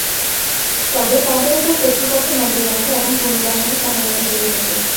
তবে তাঁদের ওপর কর্তৃপক্ষ নজর রাখে এবং পুনর্বাসনে সহায়তা দিয়ে থাকে।